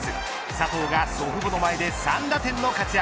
佐藤は祖父母の前で３打点の活躍。